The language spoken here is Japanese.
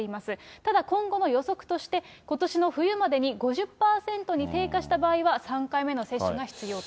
ただ、今後の予測として、ことしの冬までに５０％に低下した場合は、３回目の接種が必要と。